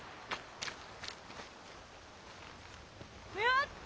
やった！